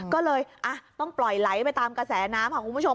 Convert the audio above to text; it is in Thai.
ก็เลยต้องปล่อยไหลไปตามกระแสน้ำค่ะคุณผู้ชม